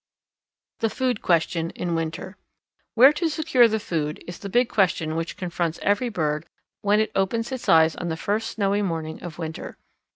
The Food Question in Winter. Where to secure the food is the big question which confronts every bird when it opens its eyes on the first snowy morning of winter.